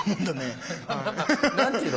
何て言うの？